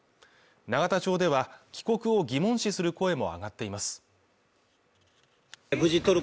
永田町では、帰国を疑問視する声も上がっています。